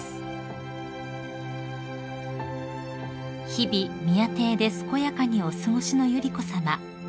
［日々宮邸で健やかにお過ごしの百合子さま］